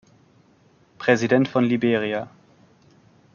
Präsident von Liberia.